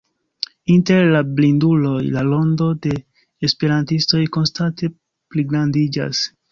Inter la blinduloj, la rondo de esperantistoj konstante pligrandiĝas.